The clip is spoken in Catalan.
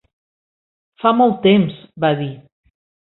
"Fa molt temps", va dir.